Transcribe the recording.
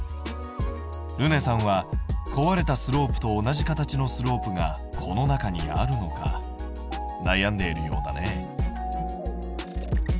るねさんは壊れたスロープと同じ形のスロープがこの中にあるのか悩んでいるようだね。